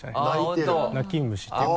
泣き虫っていうか。